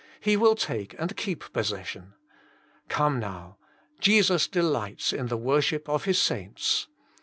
He will take and keep possession. Come now. Jesus delights in the worship of His Saints.